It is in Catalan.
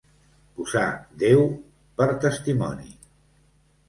Posar Déu per testimoni.